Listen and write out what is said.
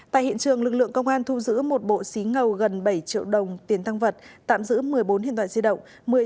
tại hiện trường lực lượng công an thu giữ một bộ xí ngầu gần bảy triệu đồng tiền thăng vật tạm giữ một mươi bốn hiện đoạn di động